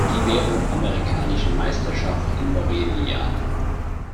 Ibero-Amerikanischen Meisterschaft" in Morelia.